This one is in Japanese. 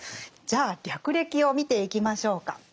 じゃあ略歴を見ていきましょうか。